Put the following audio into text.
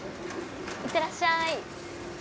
いってらっしゃい。